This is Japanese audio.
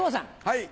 はい。